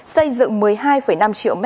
xây dựng một mươi hai năm triệu m hai